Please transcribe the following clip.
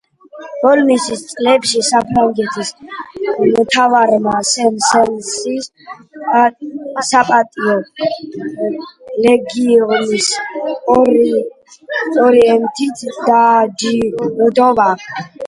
ბოლო წლებში საფრანგეთის მთავრობამ სენ-სანსი საპატიო ლეგიონის ორდენით დააჯილდოვა.